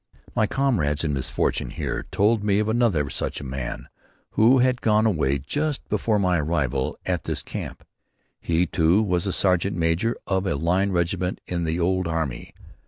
My comrades in misfortune here told me of another such a man who had gone away just before my arrival at this camp. He, too, was a sergeant major of a line regiment in the old army.